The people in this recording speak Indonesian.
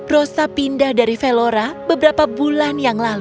rosa pindah dari velora beberapa bulan yang lalu